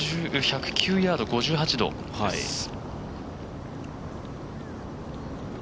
１０９ヤード、５８度です。